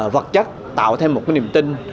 vật chất tạo thêm một cái niềm tin